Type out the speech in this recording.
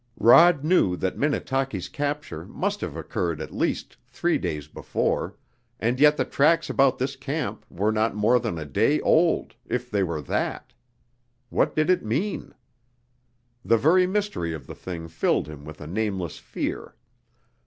Rod knew that Minnetaki's capture must have occurred at least three days before, and yet the tracks about this camp were not more than a day old, if they were that. What did it mean? The very mystery of the thing filled him with a nameless fear.